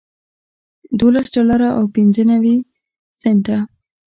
دولس ډالره او پنځه نوي سنټه